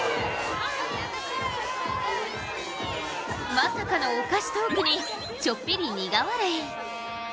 まさかのお菓子トークにちょっぴり苦笑い。